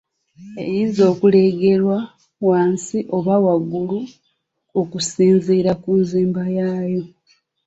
Eyinza okuleegerwa wansi oba waggulu okusinziira ku nzimba yaayo.